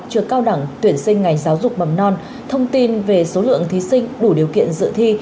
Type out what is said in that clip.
trường cao đẳng tuyển sinh ngành giáo dục mầm non thông tin về số lượng thí sinh đủ điều kiện dự thi